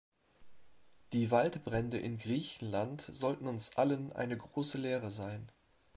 Die Waldbrände in Griechenland sollten uns allen eine große Lehre sein.